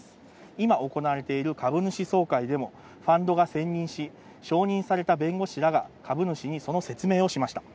今行われている株主総会でもファンドが選任し、承認された弁護士らが株主にその説明をしました。